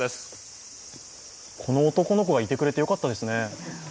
この男の子がいてくれてよかったですね。